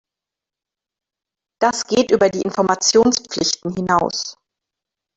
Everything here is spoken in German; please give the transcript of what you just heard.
Das geht über die Informationspflichten hinaus.